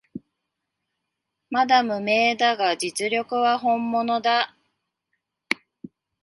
まだ無名だが実力は本物だ